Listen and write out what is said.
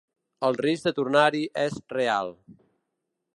El risc de tornar-hi és real.